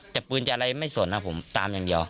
แต่ปืนจะอะไรไม่สนนะผมตามอย่างเดียว